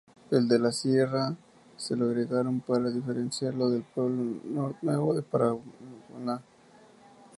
El "de la Sierra" se lo agregaron para diferenciarlo de Pueblo Nuevo de Paraguaná.